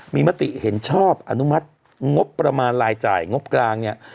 มีมติเห็นชอบอนุมัติงบประมาณรายจ่ายงบกลางเนี่ย